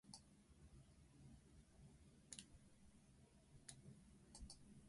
テキサス州の州都はオースティンである